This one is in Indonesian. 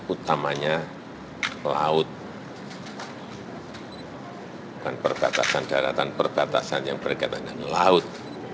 utamanya laut dan perbatasan daratan perbatasan yang berkaitan dengan laut